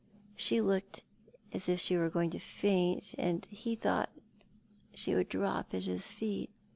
She looked as if she were going to faint, and ne thought she would drop at his feet.